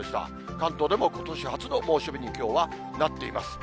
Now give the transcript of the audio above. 関東でもことし初の猛暑日にきょうはなっています。